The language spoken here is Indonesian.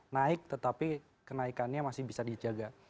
naik tetapi kenaikannya masih bisa dijaga